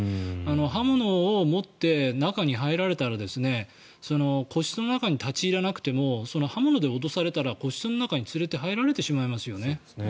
刃物を持って中に入られたら個室の中に立ち入らなくても刃物で脅されたら個室の中に連れて入られてしまいますよね。